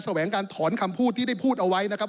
แหวงการถอนคำพูดที่ได้พูดเอาไว้นะครับ